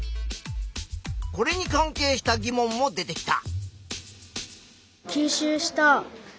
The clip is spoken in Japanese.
これに関係した疑問も出てきた。